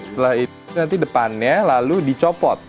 setelah itu nanti depannya lalu dicopot